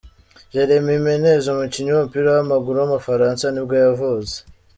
Jérémy Ménez, umukinnyi w’umupira w’amaguru w’umufaransa nibwo yavutse.